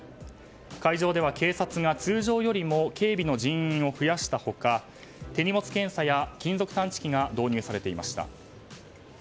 会場では警察が通常よりも警備の人員を増やした他手荷物検査や金属探知機が導入されていました。